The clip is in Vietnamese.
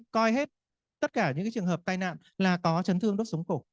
coi hết tất cả những trường hợp tai nạn là có chấn thương đốt súng cổ